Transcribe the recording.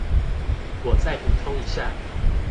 我再補充一下